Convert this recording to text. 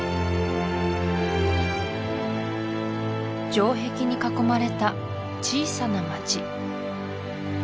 城壁に囲まれた小さな町